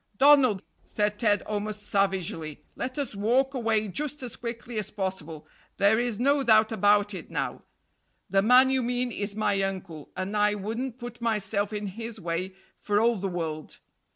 "Donald," said Ted almost savagely "let us walk away just as quickly as possible. There is no doubt about it now. The man you mean is my uncle, and I wouldn't put myself in his way for all the world.